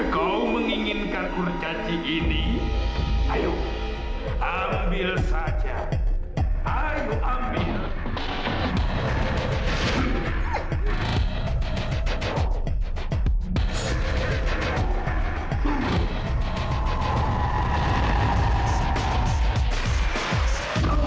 kalau gitu rebaskan istri kurcaci itu terus kita bertarung